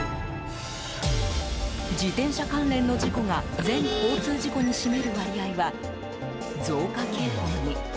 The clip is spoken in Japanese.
自転車関連の事故が全交通事故に占める割合は増加傾向に。